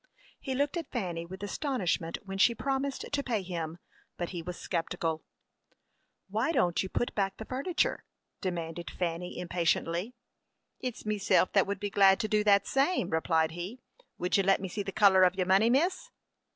He looked at Fanny with astonishment when she promised to pay him, but he was sceptical. "Why don't you put back the furniture?" demanded Fanny, impatiently. "It's meself that would be glad to do that same," replied he. "Would you let me see the color of your money, miss?"